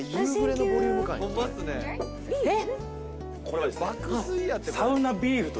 えっ？